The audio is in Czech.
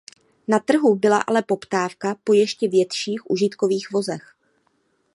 Na trhu byla ale poptávka po ještě větších užitkových vozech.